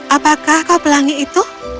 apakah kau pelangi itu